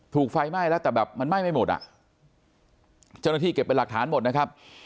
ถูกไฟไหม้แล้วแต่แบบมันไหม้ไม่หมดอ่ะเจ้าหน้าที่เก็บเป็นหลักฐานหมดนะครับ